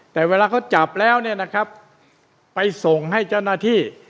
แต่เวลาเขาจับแล้วเนี่ยนะครับไปส่งให้เจ้าหน้าที่